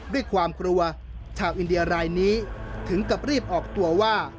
ด้วยความกลัวชาวอินเดียรายนี้ถึงกับรีบออกตัวว่า